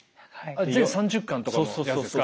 全３０巻とかのやつですか？